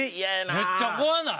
めっちゃ怖ない？